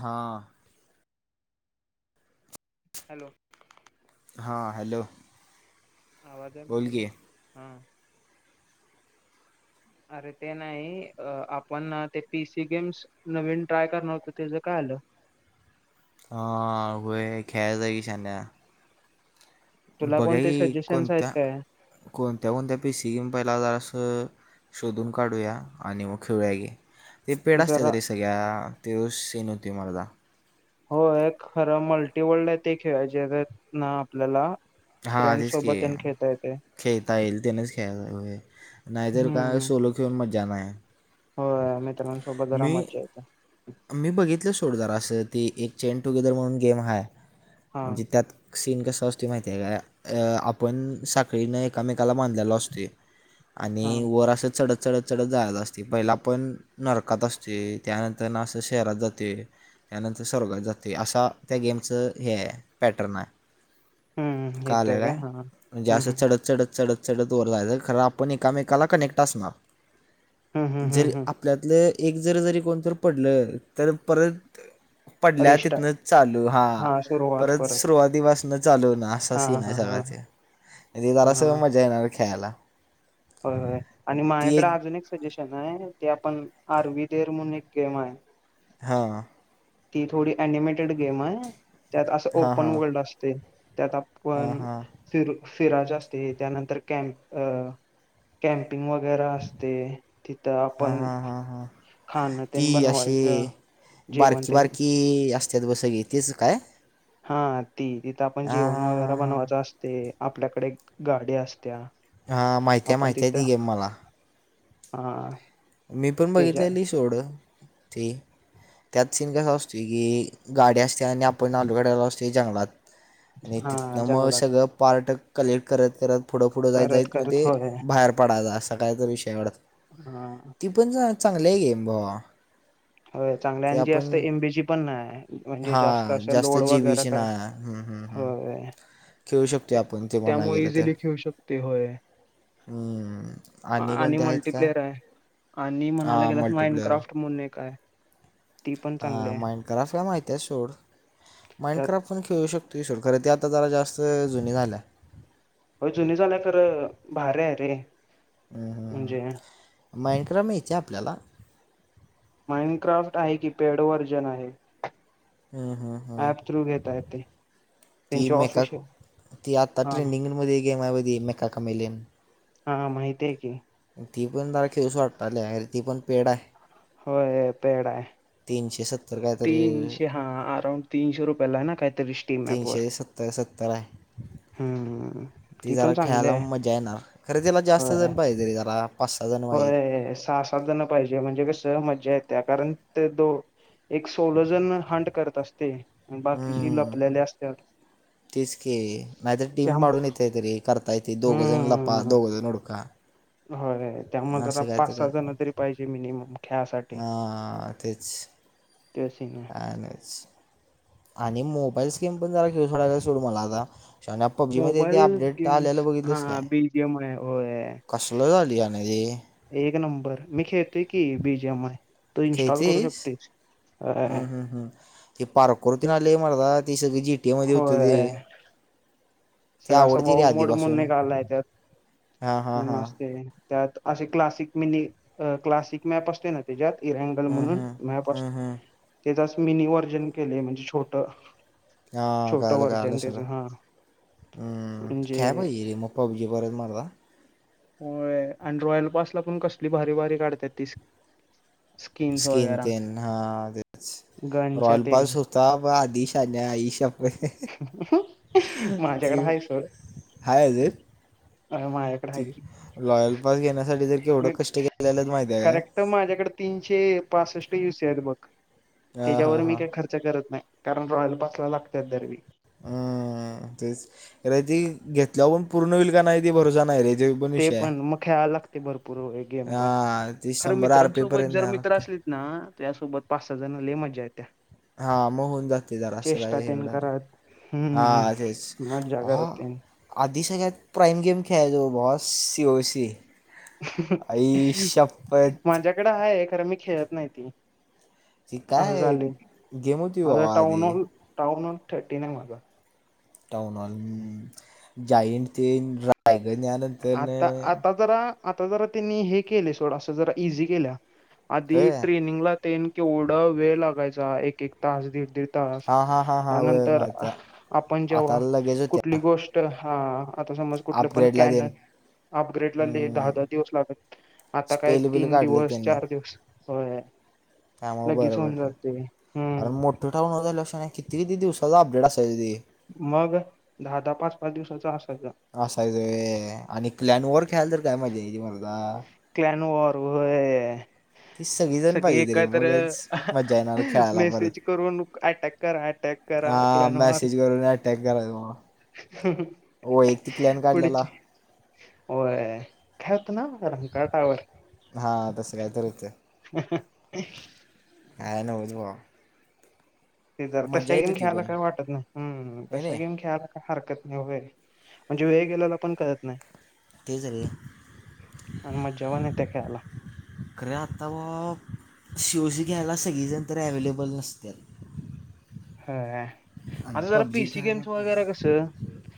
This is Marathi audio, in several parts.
हा, हॅलो, हां हॅलो. आवाजला बोल हॅलो की हा. अरे ते नाही, आपण ते पीसी गेम्स नवीन ट्राय करणार होतो त्याचं काय झालं? हा, व्हय खेळायच हाय की शान्या. तुला बघुया कोणते की, सजेशन्स आहेत कोणत्या, काय कोणत्या कोणत्या पी सी गेम पहिला जरा असं. शोधून काढूया, आणि मग खेळुया की. ते पेड असत्यात जरा रे सगळ्या, ते सीन होतय मरदा. होय, खरं मल्टीवर्ल्ड आहे ते खेळायचय आपल्याला. हां, फ्रेंड तेच की. सोबत आणि खेळता येते खेळता येईल त्यानेच खेळायच, नाहीतर काय हम्म सोलो खेळून मज्जा नाही. होय, मित्रांसोबत जरा मी मज्जा येत्या. मी बघितलं सोड जरा असं, ती एक चेन टुगेदर म्हणून गेम हाय, हा म्हणजे त्यात सीन कसा आसतोय माहिती आहे काय? अ आपण साखळीने एकामेकाला बांधलेल असतोय. आणि हा वर असं चढत, चढत, चढत जायच असतय पहिला आपण नरकात असतोय, त्या नंतर ना अस शहरात जातोय. त्यानंतर स्वर्गात जातोय, असा त्या गेमचं, पॅटर्न आहे. हम्म काळालं येतोय काय, हा म्हणजे हम्म आस हम्म चढत चढत, चढत. चढत वर जायच, खर आपण एकामेकाला कनेक्ट असणार. हम्म हम्म. जर, हम्म आपल्यातल एक जर जरी कोणतर पडल, तर परत पडल्या रिस्टार्ट तिथनं चालू हा परत सुरुवातीपासन चालू होणार. असा हा सीन आहे हा सगळा हा ते हा जरा हा सगळ मजा येणार खेळायला. होय आणि माझ्याकडे अजून एक सजेशन आहे ते आपण आर वी देअर म्हणून एक गेम आहे. हां हां ती थोडी ॲनिमेटेड गेम आहे त्यात असं हां ओपन हां वर्ल्ड असतय त्यात हां आपण पण हां फिर फिरायच असते त्यानंतर कॅम्प कॅप [unintelligible] वगैरे असते तिथं हां आपण हां हां हां खाण ती तेन बनवायचं जेवण. तेन ती असतात बघ सगळी तीच काय? हा, ती, तिथं आपण हां जेवण वगैरे हां हां बनवायचं असतय, आपल्याकडे एक गाडी असत्या. हा, माहितीय माहितीय ती गेम मला. हां मी पण बघितलेली सोड ती. त्यात सीन कसा असतोय की गाडी असते आणि आपण ऑलरेडी असतोय जंगलात. आणि हा तिथनं मग जंगलात सगळं पार्ट कलेक्ट करत करत पुढ पुढ जायत करत जाईच मग करत ते होय बाहेर पडायच असा काहीतरी विषय आहे. हा ती पण चांगली आहे की भावा हो चांगल्या ते आणि आपण जास्त एम बी ची पण नाही म्हणजे जास्त हां असं लोड जी वगैरे बीची काय ना हम्म, हम्म, हम्म. होय खेळू शकतो आपण ते म्हणा त्यामुळे गेलं तर इझिली ठेवू शकतोय होय. हम्म. आणि कोणते आहेत का मल्टीप्लेयर आहे. आणि म्हणाला हां गेलास मल्टीप्लेअर माइंडक्राफ्ट म्हणून एक आय. हा माइंड क्राफ्ट हाय माहिती हाय सोड माइंड त्यात क्राफ्ट आपण खेळू शकतोयं सोड कारण ते आता जास्त जुनी झाल्या. हो जुनी झाल्या खर भारी हाय रे म्हणजे माइंडक्रम यायचे आपल्याला माइंडक्राफ्ट आहे की, पेड व्हर्जन आहे. हम्म, हम्म, हम्म. ऍप थ्रू घेेता येतय. ती मेका ती आता हा ट्रेंडिंगमध्ये गेम हाय बघ ती मेका कमेलियन हा माहितीये की, ती पण जरा खेळुस वाटालय आर ती पण पेड हाय. होय य पेड आयं. तीनशे सत्त तीनशे हा अराऊंड तीनशे रुपयाला हाय ना कायतरी स्टीमअँप वर तीनशे सत्तर सत्तर आहे हूं हम्म ती पण जरा चांगली खेळायला आहे मजा येणार. खरे त्याला जास्त होय. जण पाहिजे रे जरा पाच सहा जण पाहिजेत होय. सहा सात जण पाहिजे म्हणजे कस मज्जा येत्या कारण ते दो एक सोलोजण हंट करत असते. बाकीची हम्म लपलेले असतात तेच की नायतर टीम त्यामु पाडून येत्यात रे करता येते, दोघंजण लपा दोघंजण उडका हो काय. त्यामुळ जरा असं काय तर पाच सहा कर जण तरी पाहिजे मिनिमम खेळासाठी हां तेच त्या सीन आहे आणि मोबाईल स्कीम पण जरा खेळ सोडायचा सोड मला आता शहाण्या पब्जीमध्ये ते अपडेट आल्याल बघितलस काय ते मग होय. कसलं झाली यान ते एक नंबर मी खेळेतोय की बी जी एम आय तू इन्स्टॉल करू शकतेस अ अं हं ते पारकोरती नाले मर्दा ते सगळे जी टी ए मध्ये होत ते ते सगळ असं आवडते रे भाऊ मोड आधीपासून म्हणून एक आलाय त्यात हां हां उन हां असते त्यात असे क्लासिक मिनी अ क्लासिक मॅप असते ना त्याज्यात इरँगल हां म्हणून मॅप असत हां हां त्याचा मिनी व्हर्जन केलयं म्हणजे छोट हा छोटं कळालं कळालं व्हर्जन त्याच सगळं हा हूं काय म्हणजे पाहिजे रे म पब्जी परत मारला होयं आणि रॉयल पासला पण कसली भारी भारी काढत्यात तीस स्किन तेन हा तेच गनच्या रॉयल तेन पास होत ता बा आदी शाद्या ईशा माझ्याकड ती हाय सोड हाय अजून आय माझ्याक ती लॉयल पास घेण्यासाठी जर केवढं कष्ट घेतलेलेत माहित हाय काय पण माझ्याकड तीनशे पासष्ट यु सी आहेत बघ हा हा त्याच्यावर मी हा काय खर्च र्च करत नाय कारण रॉयल पास ला लागतात दर वेळी अ तेच खरंय ती घेतल्यावर पण पूर्ण होईल का नायं ती भरोसा नायं रे ते पण मग खेळाला लागते भरपूर वगैरे गेम पण हा ती खर शंभर आर पी मित्रांसोबत पर्यंत जर न्यावं मित्र लागते असली ना तोयासोबत पाच सहा जण लय मज्जा येत्या. हा म होऊन जाते जरासं चेष्टा काय तेन एवढं हाय करत हम्म हा तेच मज्जा हा करत तेन आधी सगळ्यात प्राईम गेम खेळाचो ओ बॉस सी ओ सी आईशप्पथ! ईकडं आहे खर मी खेळत नाही ती. ती असं काय चाललय गेम होती बा माझा टाऊन आधी हॉल, टाउन हॉल थर्टीन आहे माझा. टाऊन हॉल, जाईंते न रायगने आलं [unintelligible] आता, आता जरा, आता जरा त्यांनी हे केले सोड अस जरा इझी केल्या. आधी होय ट्रेनिंगला तेन केवढा वेळ लागायचा, एक एक तास दीड दीड तास हा हा हा हा अ होय नंतर माहित आहे आपण आता जेव्हा लगेच होत्या कुठली गो ष्ट हा आता समज कुठलं पण अपग्रेडला कॅन देन अपग्रेडला लई दहा हम्म. दहा दिवस लागत, आता काय स्पेल बिल तीन काढलं दिवस त्याने चार दिवस होय त्यामुळे लगेच होऊन जाते हूं! त्या टाईमला काही लक्ष नाही, किती-किती दिवसाच अपडेट असायच ते. मग दहा दहा, पाच पाच दिवसाचा असायचा. असायचं होय आणि क्लॅन ओव्हर ख्याल तर काय मजा यायची मर्दा. क्ल्यान ओव्हर व्हयं. ती सगळीजण पाहिजे त रे, मगच मज्जा येणार खेळायला परत. मेसेज करून अटॅक करा अटॅक करा हा क्लॅन वॉर मेसेज करून अटॅक कराय चा बाबा. [inaudible] हो एक ती क्लॅन काढलेला. पुढची होय ख्यात ना रंकाटावर. हा तसं काहीतरी होत. [inaudible] काय नवच बॉ. ते जर तशा गेम होती खेळायला पण काय वाटत नाही, हं हाय तशा नाही गेम खेळायला. हारकत नाही वोवे म्हणजे वेळ गेलेला पण कळत नाही. तेच रे. आणि मज्जा पण येत्या खेळायला खरे आता व शिओजी घ्यायला सगळीजण तरी अव्हलेबल नसत्यात. खरं हाय, आणि आता जरा पबजी पीसी खेळायला गेम्स वगैरे कसं?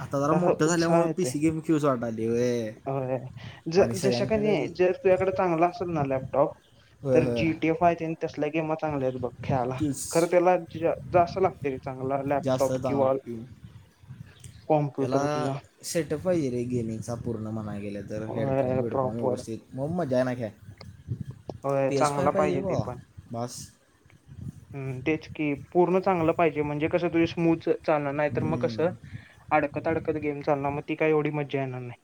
आता जरा त अस मोठं उत्साह झाल्यामुळं पी येतय, सी गेम खेळूच वाटायलय व्हय. अ आणि ज-जशा कनी सगळ्यांकडे जर. तूज्याकड चांगल असल ना लॅपटॉप, होय तर होय जीटीएफ आहेत तेन तसल्या गेमा चांगल्या आहेत बघ. खेळाला खरं तेच त्याला ज-जास्त एक चांगला जास्त लॅपटॉप चांगला किंवा पिऊ कॉम्प्युटर त्याला तुझा. सेटअप पाहिजे रे गेमिंगचा पूर्ण म्हणाया गेले तर, हेडफोन बीडफोन प्रॉपर व्यवस्थित. म-मजा येणार खेळाया पी एस फाय पाहिजे बॉ बास. हूं तेच की पूर्ण चांगलं पाहिजे म्हणजे कसं तुझे स्मूथच. चालणार नाही तर मग कसं हम्म. अडकत, अडकत गेम चालणार, मग ती काय एवढी मज्जा येणार नाही.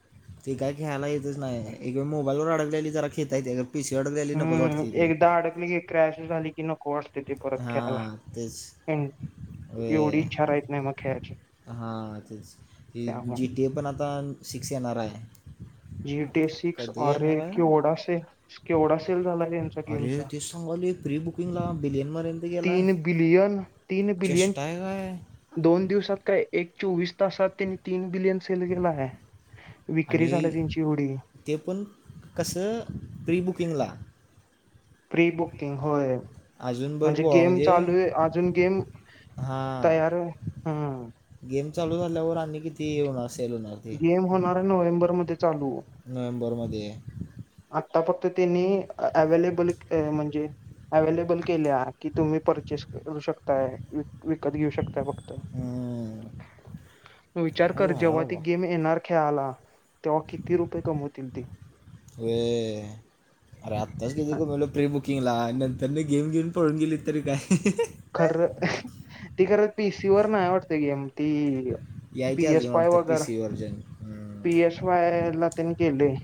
ते काय खेळाला येतच नाही, एक वेळ मोबाईल वर अडकलेली जरा खेत आहे ती पिशी वर अडकलेले नकोज वाटती ती. मंजे क्रॅश झाली की नको वाट हा तेच. एवढी व्हय इच्छा राहत नाही मग खेळाची हा तेंच हे जी त्यामुळे टी एफ पण आता सिक्स येणार आहे. जीटी ए सिक्स कधी आरे येणार आहे केवढा से केवढा सेल झालाय त्यांच्या अरे गेमचा. तेच सांगाले प्री बुकिंगला बिलीयन मरेल. तीन बिलियन, तीन बिलियन. चेष्टा आहे काय दोन दिवसात काय, एक चोवीस तासात त्यांनी तीन बिलियन सेल केलाय, विक्री झाला आणि त्यांची येवडी. ते, पण कसं प्रीबुकिंगला, प्री, बुकिंग होय. अजून बघ म्हणजे, बुवा गेम चालू आहे अजून गेम हां तयार आहे हम्म गेम, चालू झाल्यावर आणि किती हे होणार सेल होणार ते गेम होणार, नोव्हेंबर मध्ये चालू. नोव्हेंबर मध्ये, आता फक्त त्यांनी, अवलेबल म्हणजे, अवेलेबल केल्या, की तुम्ही पवर्चेस करू शकताय, विकत घेऊ शकताय फक्त, हम्म. तू विचार हा कर, बुवा, अरे जेव्हा ती बाबा गेम येणार खेळाला, तेव्हा किती, रुपये कमवतील ते. हे, अरे आत्ताच किती कामलो, प्रीबुकिंगला, नंतर न गेम घेऊन, पळून गेली तरी काय, खरं, ती खरं पीसीवरर, नाही वाटते, गेम ती. यायचे पीएस अजून वाय, वाटतं पी वगैर सी व्हर्जन पीएस वाय ला त्यांण गेलंय.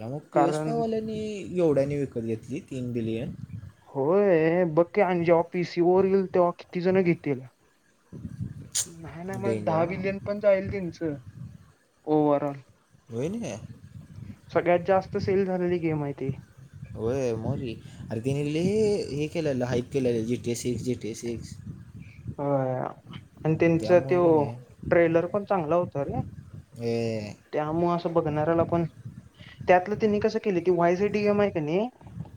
लागा, पी एसपावाल्यांनी, एवढ्यानी विकत घेतली. तीन बिलियन, होय, बघ कि, आणि जेव्हा पीसी वर, येईल तेव्हा किती जण घेतील. नाही -नाही म्हणत डेंजर दहा हा बिलियन, पण जाईल, त्यांचं ओवरऑल. होय नी, सगळ्यात जास्त, सेल झालेली गेम आहे ती. होय, म रे, अरे, तिने लाय हे केलंलं, हाईप केलं, जीटीए सिक्स, जीटीए सिक्स, होय, आणि त्यांच त्यामुळं की तोय, नाही ट्रेलर पण चांगला होत रे, ये, त्यामुळे, असं बघणाऱ्याला पण, त्यातलं, त्यांनी कसं केली, की वाय सीटडी गेमआहेय कणी नाही,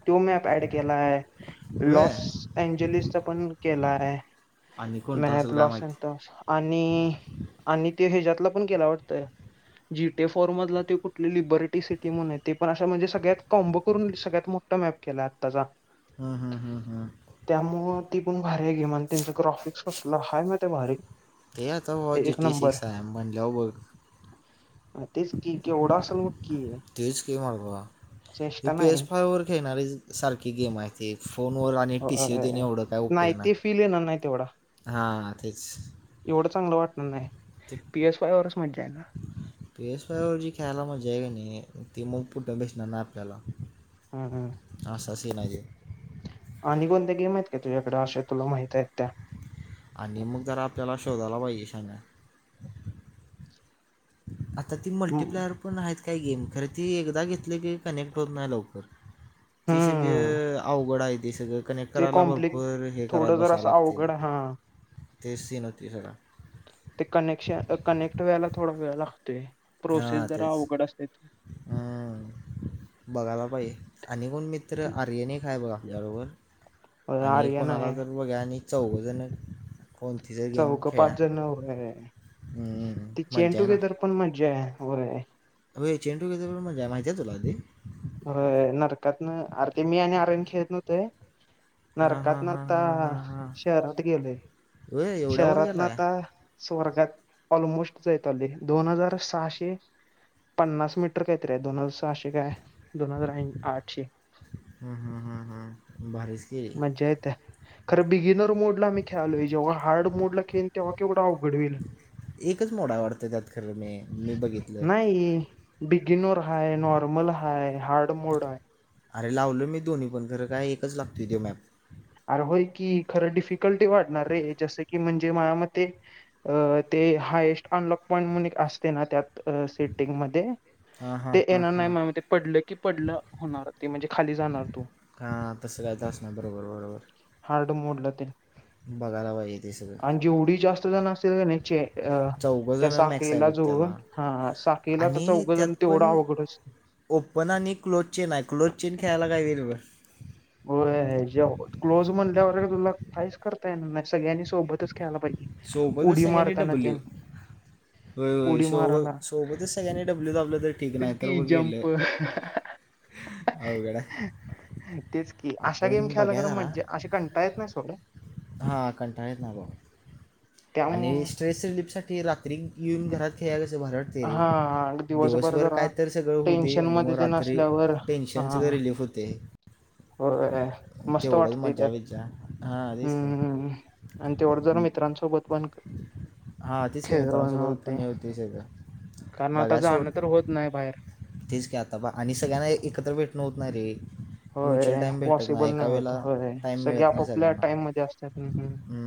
तो मॅप ऍड केलाय, होय लॉस, अंजेलसचा पण केला आहे. आणि कोणता मॅप असेल काय लॉस, माहिती अस आणि! आणि ते हच्यातला पण केला वाटत. जीटे, फोर मधला, ते कुठली लिबरेटी सिटी म्हणआहे, ते पण अशा म्हणजे, सगळ्यात कॉब करून सगळ्यात, मोठ टोमॅप, केलाय आताचा. हा, हा, हा, हा, त्यामुळं, ती पण भारी आहे गेम, आणि त्यांचं ग्राफिक्स, कसलं हाय माहिती भारी. ते, आता भावा ए- जी एक टी नंबर सीक्स, हाय म्हणलं वर आर, तेच की, केवढा असेल बग की, तेच कि मर्दा, हे, चेष्टा पी एस नाही फाय वर खेळणारी सारखी, गेम आहे त हे, फोन वर, आणि टीसी देणे, होय एवढं काय नाही उपयोग ते नाय, फील येणार नाही तेवढा हा तेच, एवढं चांगलं वाटणार नाही, ते पी एस फाय वरच मजा आहे, ना. पी एस फाय, वर जी खेळायला मजा हाय कणी नाही, ती मग पुठं बेसणार नाही आपल्याला. हम, हम, असा सिन, आहय तो, आणि, कोणत्या गेम आहेत का, तुझ्या, कडे अशा तुला माहित आहेत त्या, आणि, मग जर आपल्याला, शोधायला पाहिजे शहाण्या. [unintelligible] ती हम्म मल्टीप्लेअर पण आहेत काही गेम, खरं ती एकदा घेतली की कनेक्ट होत नाही लवकर. ती हम्म. सगळ अवघड आहे ती सगळ कनेक्ट ते करायला कॉम्प्लिक भरपूर हे करात थोडं जर बसावं असं लागते, अवघड हा ते सीन ते सगळा. ते कनेक्शन, कनेक्ट व्हायला थोडा वेळ लागतोय. प्रोसेस हां जरा तेच. अवघड हम्म. [inaudible] बघायला पाहिजे आणि कोण मित्र, ते- आर्यन एक हाय बघा आपल्या बरोबर. होय, आणि आर्यन कोणाला आहे जर बघ्या, आणि चौघजण. कोणतिज गेम चौघ खेळा पाच जण होय हूं ती चेन मज्जा ये ना! टुगेदर पण मज्जा आहे हो रे. होय चेंडू [unintelligible] मजाय माहितीय तुला आधी. खरय नरकातन आर ते मी आणि आर्यन खेळत नव्हतेय. हां हां नरकातन हां आता हां हां हां शहरात गेलोय होय एवढा वर शहरात न गेला आहे आता. स्वर्गात ऑलमोस्ट जायत आलोय दोन हजार सहाशे पन्नास मीटर काहीतरीे आहे, दोन हजार सहाशे काय दोन हजार ऐ आठशे. हूं हूं हूं हूं भारीच. केली मज्जा येत्या. खरं बिगिनर मोडला मी खेळालोय, जेव्हा हाड मोड ला खेळीन तेव्हा केवढं अवघड होईल. एकच मोड आहे वाडत त्यात. खर म्या मी. बघितलं नाही बिगीनोर आहे, नॉर्मल आहे, हार्ड मोड आहे. अरे लावलो मी दोन्ही पण खरं काय एकच लागतोय त्यो मॅप. अरे होय की खरं डिफिकल्टी वाढणार रे, जसं की म्हणजे माया मते अ ते हायेस्ट अनलॉक पॉईंट म्हणून एक असते ना त्यात अ सेटिंग मध्ये. हां हां ते हां येणार नाही हां माया मते पडलं की पडलं होणार ते म्हणजे खाली जाणार तू. का तसं काहीतर असणार बरोबर, बरोबर. हार्ड मोडला ते. बघायला पाहिजे ते सगळं. आन जेवढी जास्त जण असतील का नाही चे अ. त्या चौघंजणं मॅक्स आहे साखळीला बघ जोडून त्याला हा हा साखळीला त आणि चौघेजण त्यात तेवढं पण अवघडच. ओपन आणि क्लोज चेन आहे क्लोज चेन खेळायला काय [unintelligible] हो जे क्लोज म्हणल्यावर तुला काहीच करता येणार नाही सगळ्यांनी सोबतच. खेळायल पाहिजे सोबतच उडी सगळ्यांनी मारताना डब्ल्यू तेन होय होय उडी माराला. सोबत सोबतच सगळ्यांनी डब्ल्यू दाबलं तर ठीक, नाही तर की ब गेलं जंप अवघड हाय. तेच की अशा गेम खेळायला बघाय खर मज्जा अश्या कंटाळा येत नाही सोड. हा कंटाळा येत नाही बा. आणि त्यामुळं स्ट्रेस रिलीफ साठी रात्री येऊन घरात खेळायला कसं भारट. ते हा दिवसभर जरा काय तर सगळं होऊ दे टेन्शन आणि म मध्ये तेन रात्री असल्यावर हा टेन्शन सगळं रिलीफ होत. ते! होय मस्त वाटते त्यात बिज्जा हां तेच काय हूं! आणि तेवढ जरा मित्रांसोबत पण [unintelligible] तीस हजार. कारण आता जाण तर होत नाही बाहेर. तेच की आता बा आणि सगळ्यांना एकत्र भेटणं होत नाही रे, म्युच्युअल होय. टाईम भेटत पॉसिबल एका नाही होत वेळेला होय टाईम सगळे मिळत नाही आपापल्या सगळ्यांना टाइम मध्ये असतात. हम्म.